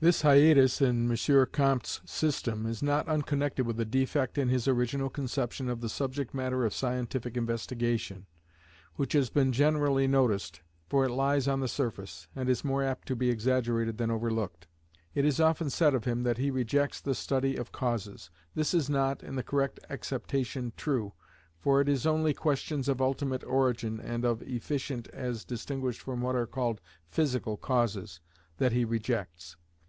This hiatus in M. Comte's system is not unconnected with a defect in his original conception of the subject matter of scientific investigation, which has been generally noticed, for it lies on the surface, and is more apt to be exaggerated than overlooked. It is often said of him that he rejects the study of causes. This is not, in the correct acceptation, true, for it is only questions of ultimate origin, and of Efficient as distinguished from what are called Physical causes, that he rejects.